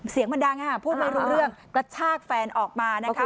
เสียงมันดังพูดไม่รู้เรื่องกระชากแฟนออกมานะคะ